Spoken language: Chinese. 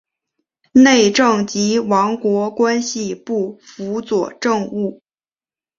内政及王国关系部辅佐政务。